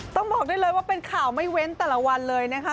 ต้องบอกได้เลยว่าเป็นข่าวไม่เว้นแต่ละวันเลยนะคะ